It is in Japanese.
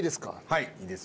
はいいいですよ。